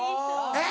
えっ⁉